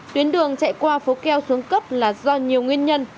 tuyến đường chạy qua phố keo xuống cấp là do nhiều nguyên nhân